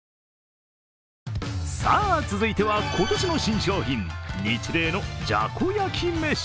さあ、続いては今年の新商品、ニチレイのじゃこ焼めし。